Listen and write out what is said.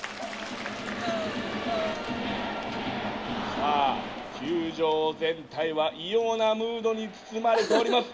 「さあ球場全体は異様なムードに包まれております。